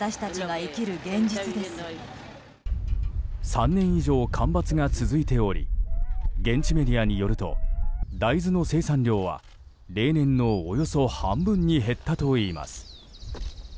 ３年以上干ばつが続いており現地メディアによると大豆の生産量は例年のおよそ半分に減ったといいます。